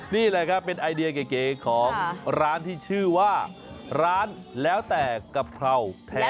นี่แหละครับเป็นไอเดียเก๋ของร้านที่ชื่อว่าร้านแล้วแต่กะเพราแท้